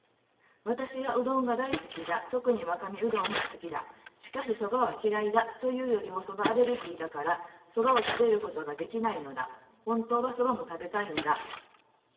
私はうどんが大好きだ。特にわかめうどんが好きだ。しかし、蕎麦は嫌いだ。というよりも蕎麦アレルギーだから、蕎麦を食べることができないのだ。本当は蕎麦も食べたいんだ。